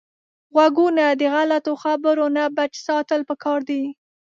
غوږونه د غلطو خبرو نه بچ ساتل پکار دي